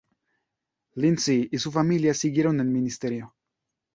Lindsay y su familia siguieron en el ministerio.